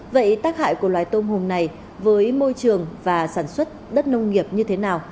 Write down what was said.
vậy tác hại của loài tôm hùng này với môi trường và sản xuất đất nông nghiệp như thế nào